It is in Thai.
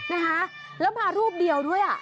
นะคะแล้วมารูปเดียวด้วยอ่ะ